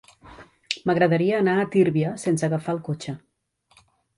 M'agradaria anar a Tírvia sense agafar el cotxe.